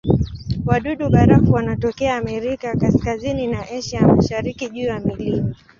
Wadudu-barafu wanatokea Amerika ya Kaskazini na Asia ya Mashariki juu ya milima.